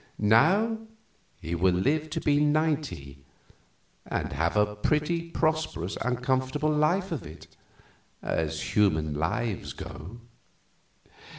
Now he will live to be ninety, and have a pretty prosperous and comfortable life of it, as human lives go."